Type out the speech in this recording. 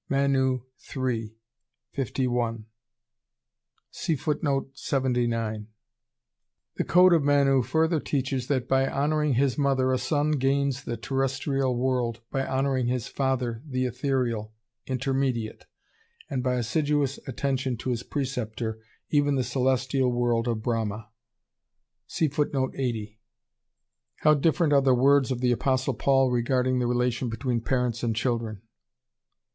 (Manu III, 51.) The code of Manu further teaches that by honoring his mother a son gains the terrestrial world, by honoring his father, the ethereal, intermediate, and by assiduous attention to his preceptor, even the celestial world of Brahma. How different are the words of the Apostle Paul regarding the relation between parents and children.